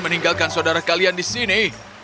meninggalkan saudara kalian di sini